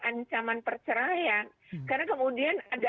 ancaman perceraian karena kemudian ada